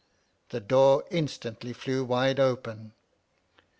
The door instantly flew wide open.